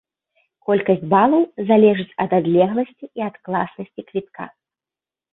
Колькасць балаў залежыць ад адлегласці і ад класнасці квітка.